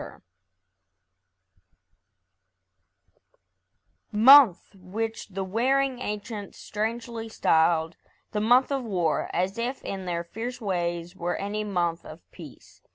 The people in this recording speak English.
March Month which the warring ancients strangely styled The month of war, as if in their fierce ways Were any month of peace!